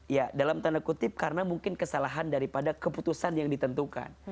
ya dalam tanda kutip karena mungkin kesalahan daripada keputusan yang ditentukan